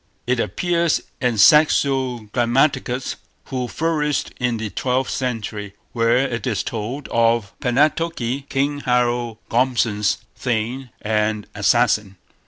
It appears in Saxo Grammaticus, who flourished in the twelfth century, where it is told of Palnatoki, King Harold Gormson's thane and assassin.